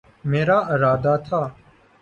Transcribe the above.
میرا ارادہ تھا